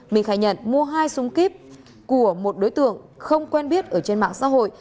minh khai nhận mua hai súng kíp của một đối tượng không quen biết ở trên mạng xã hội